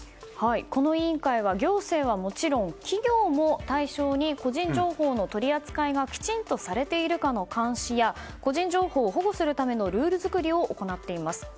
この委員会は行政はもちろん企業も対象に個人情報の取り扱いがきちんとされているかの監視や個人情報が保護されているかのルール作りを行っています。